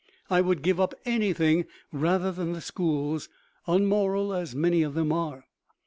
I would give up anything rather than the schools, unmoral as many of them are.